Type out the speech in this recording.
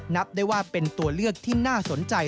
นับได้ว่าเป็นตัวเลือกที่น่าสนใจ